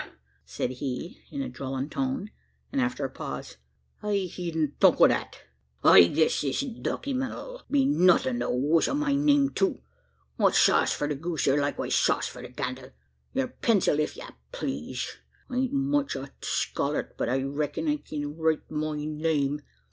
said he, in a drawling tone, and after a pause. "I hedn't thunk o' that. I guess this dockyment 'll be nothin' the wuss o' my name too? What's sauce for the goose, air likewise sauce for the gander. Yur pencil, ef ye please? I ain't much o' a scholart; but I reck'n I kin write my name.